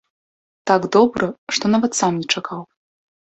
Так добра, што нават сам не чакаў.